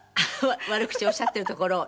悪口おっしゃっているところを。